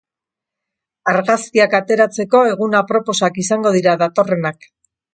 Argazkiak ateratzeko egun aproposak izango dira datorrenak.